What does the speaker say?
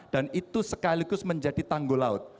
dan itu sekaligus menjadi tanggul laut